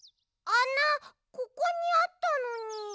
あなここにあったのに。